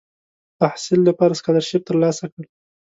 تحصیل لپاره سکالرشیپ تر لاسه کړ.